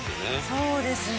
そうですね